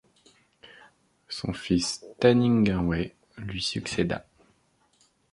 Son fils Taninganwe lui succéda.